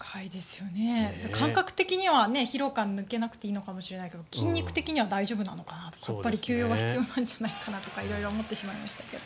感覚的には疲労感が抜けなくてもいいのかもしれないけど筋肉的には大丈夫なのかなとかやっぱり休養が必要なんじゃないかと色々思ってしまいましたが。